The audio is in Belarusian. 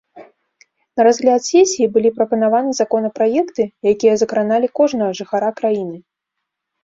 На разгляд сесіі былі прапанаваны законапраекты, якія закраналі кожнага жыхара краіны.